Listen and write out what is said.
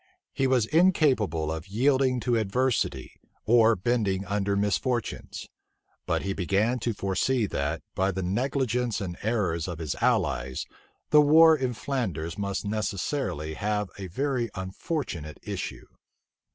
He was incapable of yielding to adversity, or bending under misfortunes: but he began to foresee that, by the negligence and errors of his allies, the war in Flanders must necessarily have a very unfortunate issue.